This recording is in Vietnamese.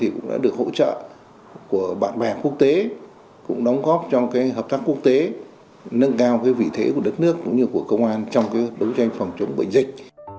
cũng đã được hỗ trợ của bạn bè quốc tế cũng đóng góp cho hợp tác quốc tế nâng cao vị thế của đất nước cũng như của công an trong đấu tranh phòng chống bệnh dịch